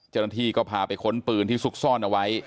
เจ้าหน้าที่ก็พาไปค้นปืนที่ซุกซ่อนเอาไว้